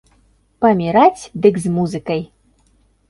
Паміраць дык з музыкай!